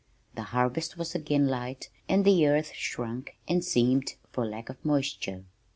The harvest was again light and the earth shrunk and seamed for lack of moisture.